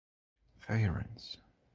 Feirense.